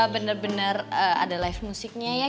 benar benar ada live musiknya ya